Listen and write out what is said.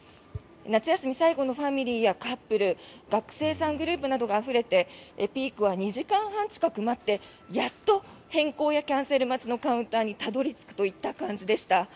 夏休み最後のファミリーやカップル学生さんグループなどがあふれてピークは２時間半近く待ってやっと変更やキャンセル待ちのカウンターにたどり着くといった感じでした。